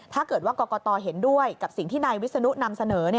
ถ้าเกิดว่ากรกตเห็นด้วยกับสิ่งที่นายวิศนุนำเสนอ